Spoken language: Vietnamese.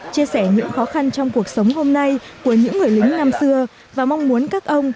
chia sẻ những khó khăn trong cuộc sống hôm nay của những người lính năm xưa và mong muốn các ông